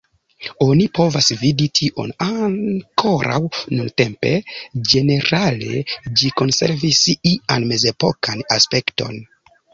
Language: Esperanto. Oni povas vidi tion ankoraŭ nuntempe; ĝenerale ĝi konservis ian mezepokan aspekton.